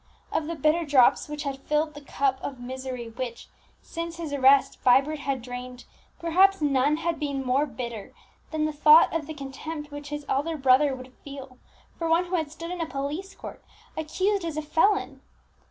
Of the bitter drops which had filled the cup of misery which, since his arrest, Vibert had drained, perhaps none had been more bitter than the thought of the contempt which his elder brother would feel for one who had stood in a police court, accused as a felon.